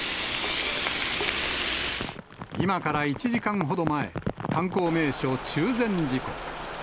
今から１時間ほど前、観光名所、中禅寺湖。